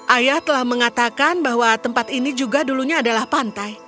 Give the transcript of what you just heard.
ayah telah mengatakan bahwa tempat ini juga dulunya adalah pantai